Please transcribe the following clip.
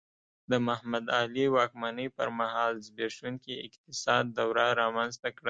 د محمد علي واکمنۍ پر مهال زبېښونکي اقتصاد دوره رامنځته کړه.